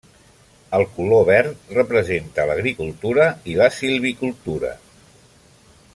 El color verd representa l'agricultura i la silvicultura.